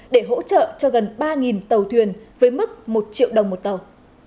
để hỗ trợ cho gần ba tàu thuyền với mức một triệu đồng một tàu